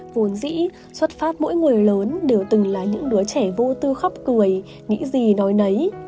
vốn dĩ xuất phát mỗi người lớn đều từng là những đứa trẻ vô tư khóc cười nghĩ gì nói nấy